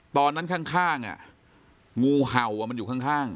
ตอนนั้นข้างข้างอ่ะงูเห่ามันอยู่ข้างข้าง